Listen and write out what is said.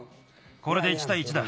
これで１たい１だ。